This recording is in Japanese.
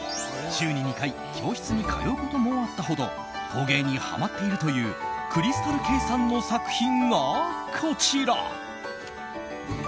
週に２回教室に通うこともあったほど陶芸にはまっているというＣｒｙｓｔａｌＫａｙさんの作品がこちら。